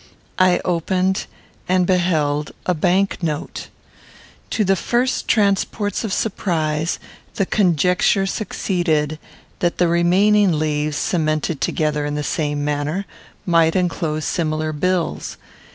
I opened, and beheld a bank note! To the first transports of surprise, the conjecture succeeded, that the remaining leaves, cemented together in the same manner, might enclose similar bills.